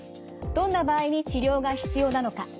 どんな場合に治療が必要なのか。